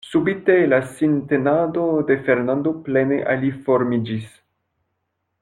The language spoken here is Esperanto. Subite la sintenado de Fernando plene aliformiĝis.